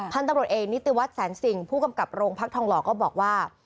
พันธุ์ตำรวจเอกนิติวัตรแสนสิ่งผู้กำกับโรงพักทองหล่อก็บอกว่า